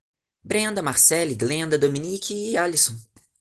Brenda, Marcele, Glenda, Dominique e Alison